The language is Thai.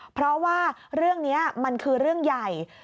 เพราะว่าเรื่องนี้มันคือเรื่องใหญ่